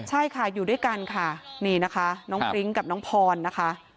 ใช่ค่ะอยู่ด้วยกันค่ะนี่นะคะน้องฟริ้งกับน้องพรนะคะ